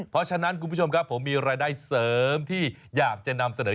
เพราะฉะนั้นคุณผู้ชมครับผมมีรายได้เสริมที่อยากจะนำเสนอ